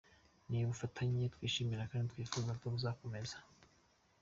Ni ubufatanye twishimira kandi twifuza ko buzakomeza.